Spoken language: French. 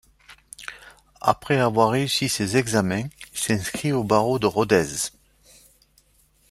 Après avoir réussi ses examens, il s’inscrit au barreau de Rodez.